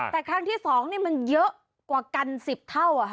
แต่ครั้งที่๒มันเยอะกว่ากัน๑๐เท่า